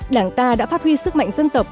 đảng ta đã phát huy sức mạnh dân tộc